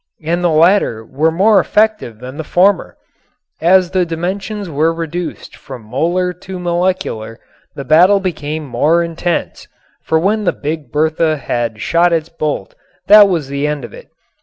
And the latter were more effective than the former. As the dimensions were reduced from molar to molecular the battle became more intense. For when the Big Bertha had shot its bolt, that was the end of it.